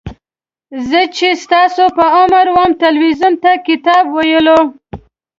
زه چې ستاسو په عمر وم تلویزیون ته کتاب ویلو.